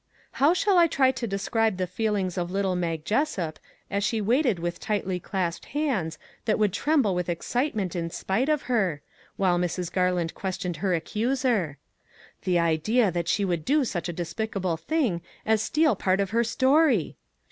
How shall I try to describe the feelings of little Mag Jessup as she waited with tightly clasped hands that would tremble with excite ment in spite of her, while Mrs. Garland ques 379 MAG AND MARGARET tioned her accuser. The idea that she would do such a despicable thing as steal part of her story!